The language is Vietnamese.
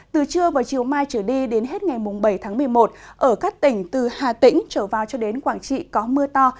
từ trưa và chiều mai trở đi đến hết ngày bảy tháng một mươi một ở các tỉnh từ hà tĩnh trở vào cho đến quảng trị có mưa to